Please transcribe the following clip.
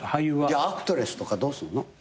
じゃあアクトレスとかどうすんの？